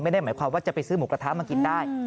ไม่ได้หมายความว่าจะไปซื้อหมูกระทะมากินได้